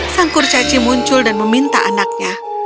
sang kurcaci muncul dan meminta anaknya